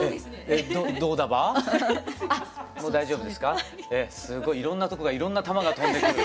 ええすごいいろんなとこからいろんな弾が飛んでくる。